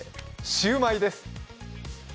シューマイです！